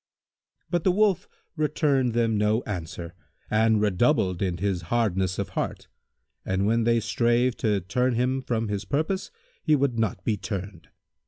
But the Wolf returned them no answer and redoubled in his hardness of heart and when they strave to turn him from his purpose he would not be turned.